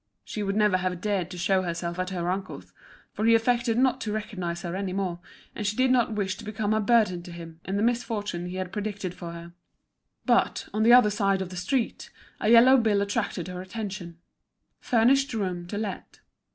She would never have dared to show herself at her uncle's, for he affected not to recognise her any more, and she did not wish to become a burden to him, in the misfortune he had predicted for her. But, on the other side of the street, a yellow bill attracted her attention. "Furnished room to let."